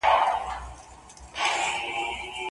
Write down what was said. د ماشومانو د سالمي روزني شرط د ديندارو ښځو سره نکاح کول دي.